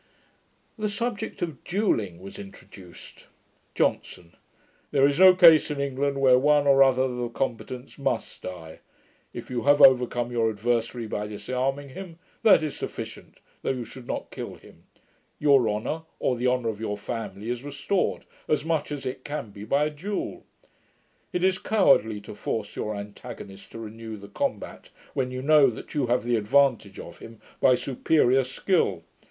The subject of duelling was introduced. JOHNSON. 'There is no case in England where one or other of the combatants MUST die: if you have overcome your adversary by disarming him, that is sufficient, though you should not kill him; your honour, or the honour of your family, is restored, as much as it can be by a duel. It is cowardly to force your antagonist to renew the combat, when you know that you have the advantage of him by superior skill.